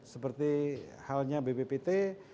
seperti halnya bppt